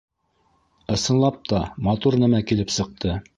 Ысынлап та, матур нәмә килеп сыҡты.